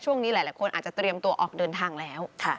ช่วงนี้หลายคนอาจจะเตรียมตัวออกเดินทางแล้ว